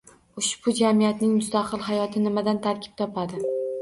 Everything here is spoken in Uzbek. Ushbu “jamiyatning mustaqil hayoti” nimadan tarkib topadi?